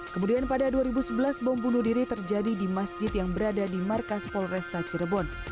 kemudian pada dua ribu sebelas bom bunuh diri terjadi di masjid yang berada di markas polresta cirebon